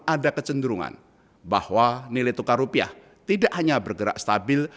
ada kecenderungan bahwa nilai tukar rupiah tidak hanya bergerak stabil